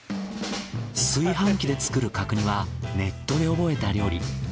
炊飯器で作る角煮はネットで覚えた料理。